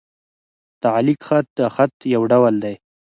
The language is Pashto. تعلیق خط؛ د خط یو ډول دﺉ.